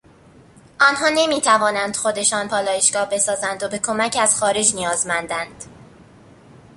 آنها نمیتوانندخودشان پالایشگاه بسازند و به کمک از خارج نیازمندند.